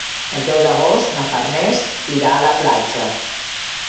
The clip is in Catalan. El deu d'agost na Farners irà a la platja.